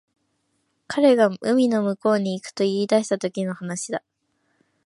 彼が海の向こうに行くと言い出したときの話だ